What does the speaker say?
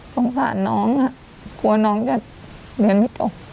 สงสารน้องอ่ะกลัวน้องจะเรียนไม่โด่ง